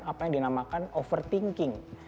apa yang dinamakan overthinking